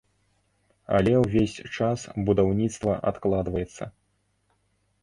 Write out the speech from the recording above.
Але ўвесь час будаўніцтва адкладваецца.